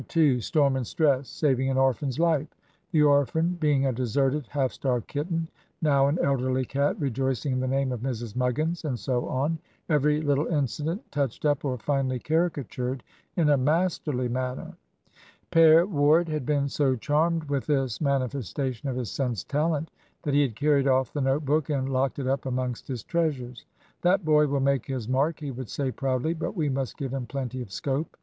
Storm and Stress. Saving an Orphan's Life the Orphan being a deserted, half starved kitten, now an elderly cat rejoicing in the name of Mrs. Muggins;" and so on. Every little incident touched up or finely caricatured in a masterly manner. Père Ward had been so charmed with this manifestation of his son's talent that he had carried off the note book and locked it up amongst his treasures. "That boy will make his mark," he would say, proudly. "But we must give him plenty of scope."